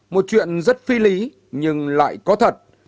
một chuyện rất phi lý nhưng lại có thật